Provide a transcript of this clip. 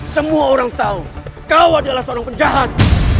semua orang tahu kau adalah seorang penjahat